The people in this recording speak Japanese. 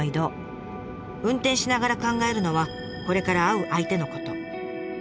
運転しながら考えるのはこれから会う相手のこと。